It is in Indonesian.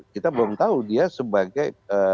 kita belum tahu dia sebagai